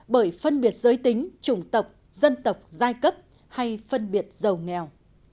bởi phân biệt giới tính trùng tộc dân tộc giai cấp hay phân biệt giàu nghèo